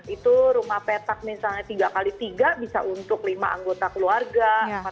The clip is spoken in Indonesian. itu rumah petak misalnya tiga x tiga bisa untuk lima anggota keluarga